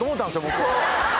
僕。